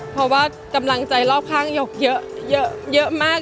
เพราะว่ากำลังใจรอบข้างยกเยอะมาก